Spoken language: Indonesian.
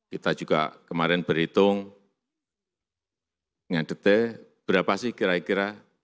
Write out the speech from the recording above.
kita juga kemarin berhitung dengan detail berapa sih kira kira